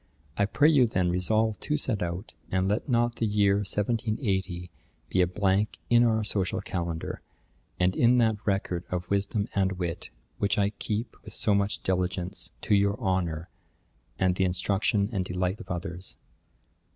I pray you then resolve to set out; and let not the year 1780 be a blank in our social calendar, and in that record of wisdom and wit, which I keep with so much diligence, to your honour, and the instruction and delight of others.'